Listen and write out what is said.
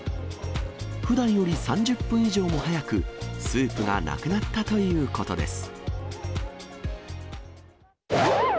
ふだんより３０分以上早くスープがなくなったということです。